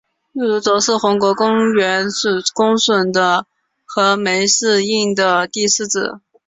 阮如琢是宏国公阮公笋和枚氏映的第四子。